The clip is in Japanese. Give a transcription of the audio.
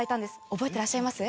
覚えていらっしゃいます？